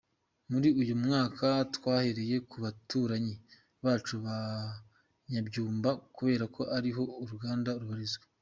Muri uyu mwaka twahereye ku baturanyi bacu ba Nyamyumba kubera ko ariho uruganda rubarizwa.